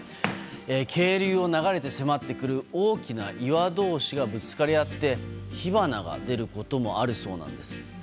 渓流を流れて迫ってくる大きな岩同士がぶつかり合って火花が出ることもあるそうです。